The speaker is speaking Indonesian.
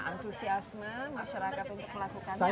antusiasme masyarakat untuk melakukannya